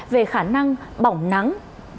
về khả năng bỏng nắng